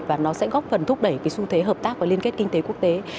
và nó sẽ góp phần thúc đẩy cái xu thế hợp tác và liên kết kinh tế quốc tế